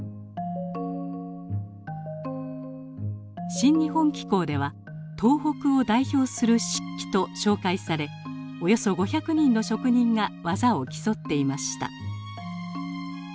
「新日本紀行」では東北を代表する漆器と紹介されおよそ５００人の職人が技を競っていました。